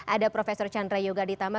ada prof chandra yogaditama